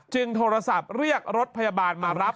โทรศัพท์เรียกรถพยาบาลมารับ